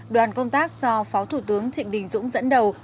đoàn công tác do phó thủ tướng trịnh đình dũng dẫn đầu